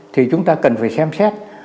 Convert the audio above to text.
thì chúng ta cần phải xem xét